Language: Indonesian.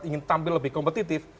ingin tampil lebih kompetitif